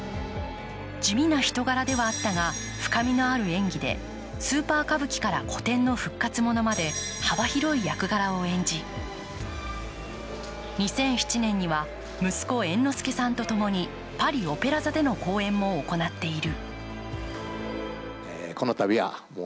地味な人柄ではあったが深みのある演技でスーパー歌舞伎から古典の復活ものまで幅広い役柄を演じ２００７年には息子・猿之助さんとともに、パリ・オペラ座での公演も行っている。